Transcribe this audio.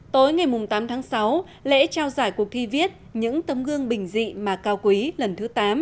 tối ngày tám tháng sáu lễ trao giải cuộc thi viết những tấm gương bình dị mà cao quý lần thứ tám